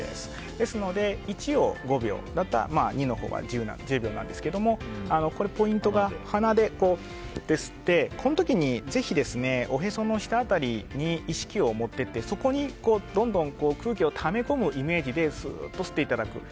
ですので、１を５秒だったら２のほうは１０秒なんですけどポイントが鼻で吸ってこの時に、ぜひおへその下辺りに意識を持っていってそこにどんどん空気をため込むイメージでスーッと吸っていただく。